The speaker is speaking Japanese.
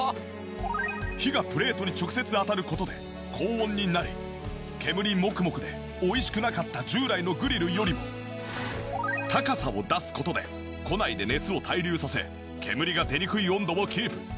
火が直接プレートに当たる事で高温になり煙モクモクでおいしくなかった従来のグリルよりも高さを出す事で庫内で熱を対流させ煙が出にくい温度をキープ。